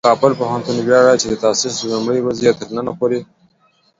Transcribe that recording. کابل پوهنتون ویاړي چې د تاسیس له لومړۍ ورځې یې تر ننه